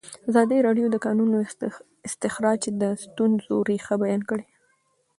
ازادي راډیو د د کانونو استخراج د ستونزو رېښه بیان کړې.